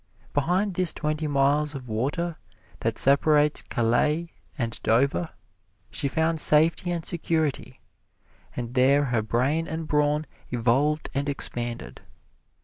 Behind this twenty miles of water that separates Calais and Dover she found safety and security, and there her brain and brawn evolved and expanded.